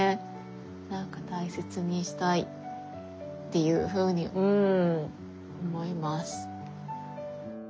なんか大切にしたいっていうふうにうん思います。